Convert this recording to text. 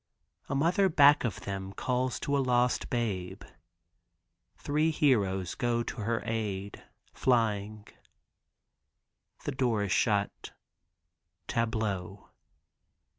A mother back of them calls to a lost babe; three heroes go to her aid flying. The door is shut. Tableau.